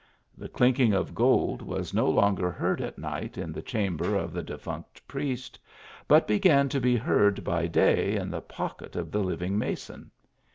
The clinking of gold was no longer heard at night in the chamber of the defunct priest, but began to be heard by day in the pocket of the living mason.